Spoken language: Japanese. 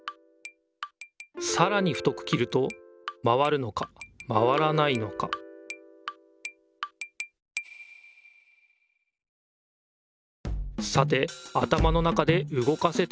さらに太く切るとまわるのかまわらないのかさてあたまの中でうごかせたでしょうか。